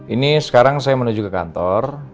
ini sekarang saya menuju ke kantor